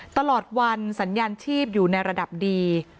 ตลอดวันสัญญาณชีพอยู่ในระดับดี